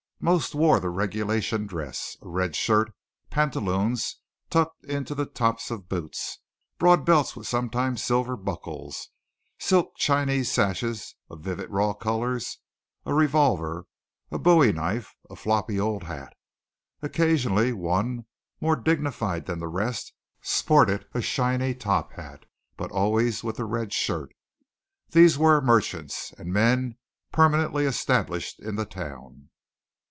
Most wore the regulation dress a red shirt, pantaloons tucked into the tops of boots, broad belts with sometimes silver buckles, silk Chinese sashes of vivid raw colours, a revolver, a bowie knife, a floppy old hat. Occasionally one, more dignified than the rest, sported a shiny top hat; but always with the red shirt. These were merchants, and men permanently established in the town.